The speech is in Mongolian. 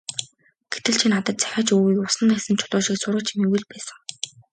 Гэтэл чи надад захиа ч өгөөгүй, усанд хаясан чулуу шиг сураг чимээгүй л байсан.